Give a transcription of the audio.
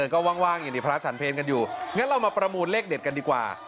ก็ว่างที่พระอาจฉันเพลงั้นเรามาประมูลเลขเด็ดกันดีกว่า